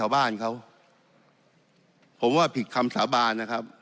บ้านเขาผมว่าผิดคำสาบานนะครับ